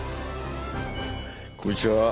こんにちは！